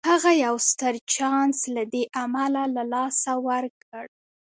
هغه يو ستر چانس له دې امله له لاسه ورکړ.